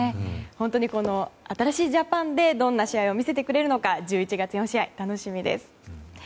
新しいジャパンでどんな試合を見せてくれるか１１月４試合、楽しみです。